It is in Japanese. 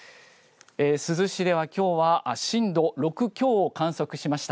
珠洲市ではきょうは震度６強を観測しました。